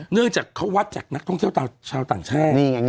เนื่องจากเขาวัดจากนักท่องเที่ยวชาวต่างชาติ